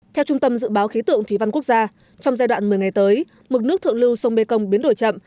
theo trung tâm dự báo khí tượng thủy văn quốc gia trong giai đoạn một mươi ngày tới mực nước thượng lưu sông mê công biến đổi chậm